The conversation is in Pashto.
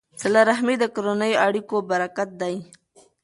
صله رحمي د کورنیو اړیکو برکت دی.